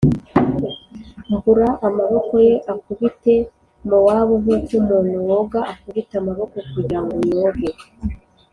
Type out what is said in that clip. mbura amaboko ye akubite Mowabu nk uko umuntu woga akubita amaboko kugira ngo yoge